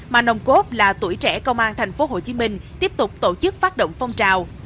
mà nồng cốp là tuổi trẻ công an thành phố hồ chí minh tiếp tục tổ chức phát động phong trào